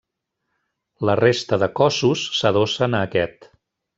La resta de cossos s'adossen a aquest.